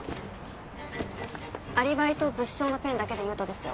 アリバイと物証のペンだけで言うとですよ